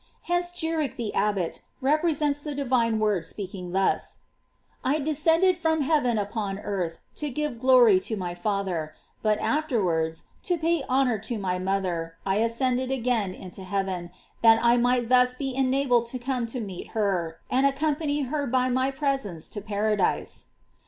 J Hence Guerric the Abbot represents the divine Word speaking thus: I descended from heaven upon earth to give glory to my Father ; but afterwards, to pay honor to my mother, I ascended again into heaven, that I might thus be enabled to come to meet her, and accompany her by my presence to paradise.